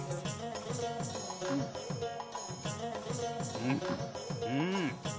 うんうん！